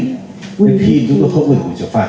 thì khi chúng tôi không được bị xử phạt